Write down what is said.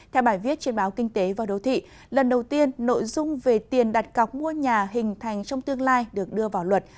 theo bài viết trên báo kinh tế và đô thị lần đầu tiên nội dung về tiền đặt cọc mua nhà hình thành trong tương lai được đưa vào luật